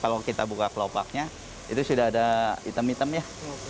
kalau kita buka kelopaknya itu sudah ada hitam hitamnya